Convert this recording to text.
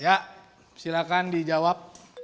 ya silakan dijawab